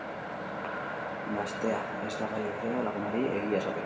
Gaztea ez da gai ordea, lagunari egia esateko.